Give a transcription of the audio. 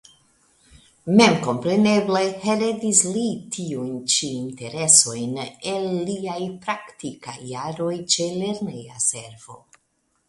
Memkompreneble heredis li tiujn ĉi interesojn el liaj praktikaj jaroj ĉe lerneja servo.